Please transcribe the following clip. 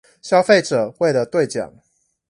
消費者為了對獎